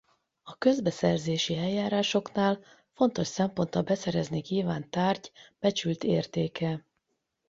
A közbeszerzési eljárásoknál fontos szempont a beszerezni kívánt tárgy becsült értéke.